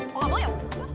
mau gak mau ya